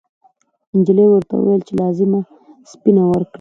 نجلۍ ورته وویل چې لازمه سپینه ورکړي.